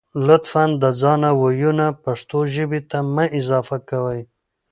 لطفاً د ځانه وييونه پښتو ژبې ته مه اضافه کوئ